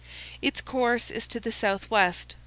Its course is to the southwest.